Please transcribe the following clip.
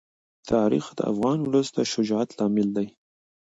تاریخ د خپل ولس د شجاعت لامل دی.